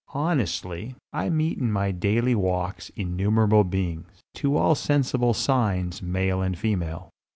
Honestly, I meet in my daily walks innumerable beings, to all sensible signs male and female.